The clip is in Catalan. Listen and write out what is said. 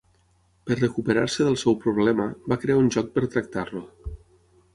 Per recuperar-se del seu problema, va crear un joc per tractar-lo.